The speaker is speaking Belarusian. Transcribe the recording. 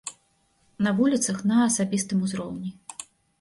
На вуліцах, на асабістым узроўні.